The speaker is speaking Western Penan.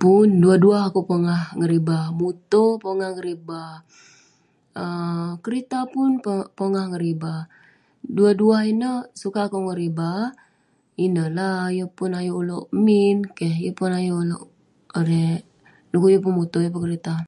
Pun. Duah duah akouk pongah ngeriba, muto pongah ngeriba, um kerita pun pongah ngeriba. Duah duah ineh sukat akouk ngeriba. Ineh la yeng pun ayuk ulouk min. Keh. Yeng pun ayuk ulouk erei- dekuk yeng pun muto, yeng pun kerita.